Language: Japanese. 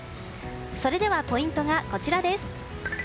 それではポイントはこちら。